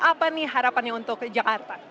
apa nih harapannya untuk jakarta